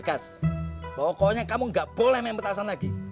pokoknya kamu gak boleh main petasan lagi